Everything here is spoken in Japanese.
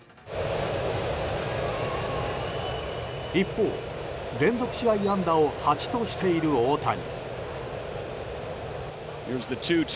一方、連続試合安打を８としている大谷。